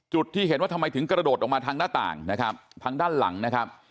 ที่เห็นว่าทำไมถึงกระโดดออกมาทางหน้าต่างนะครับทางด้านหลังนะครับ